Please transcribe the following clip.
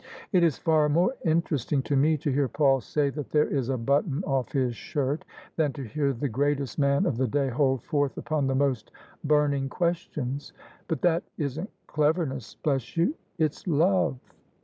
It is far more interesting to me to hear Paul say that there is a button off his shirt, than to hear the greatest man of the day hold forth upon the most burn ing questions. But that isn't cleverness, bless you I — it's love."